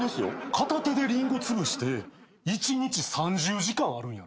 片手でリンゴつぶして１日３０時間あるんやろ？